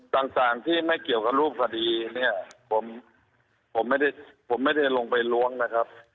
ต่างที่ไม่เกี่ยวกับรูปคดีเนี่ยผมผมไม่ได้ผมไม่ได้ลงไปล้วงนะครับ